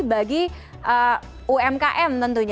bagi umkm tentunya